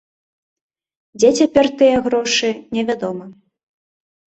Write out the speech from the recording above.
Дзе цяпер тыя грошы, невядома.